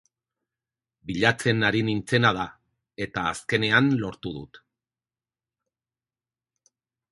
Bilatzen ari nintzena da, eta azkenean lortu dut.